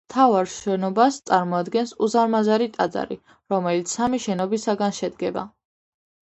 მთავარ შენობას წარმოადგენს უზარმაზარი ტაძარი, რომელიც სამი შენობისაგან შედგება.